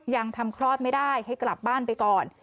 ยังทำคลอดไม่ได้ให้กลับบ้านไปก่อน